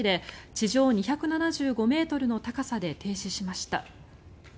地上２７５ｍの高さで停止しました。